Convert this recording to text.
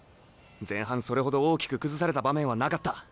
前半それほど大きく崩された場面はなかった。